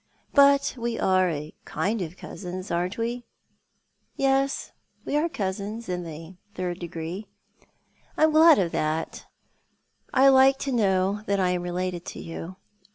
But we are a kind of cousins, aren't we ?"" Yes, we are cousins— in the third degree." " I'm glad of that. I like to know that I am related to you.